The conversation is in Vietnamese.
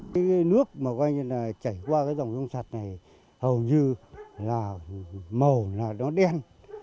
cái nước mà coi như là chảy qua cái dòng sông sạt này hầu như là màu là nó đen